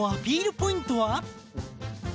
ポイントは？